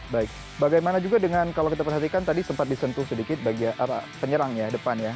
baik bagaimana juga dengan kalau kita perhatikan tadi sempat disentuh sedikit bagian penyerang ya depan ya